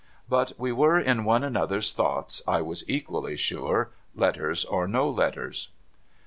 But we were in one another's thoughts, I was equally sure, letters or no letters.